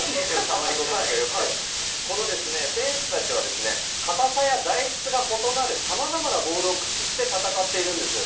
この選手たちは硬さや材質が異なるさまざまなボールを駆使して戦っているんです。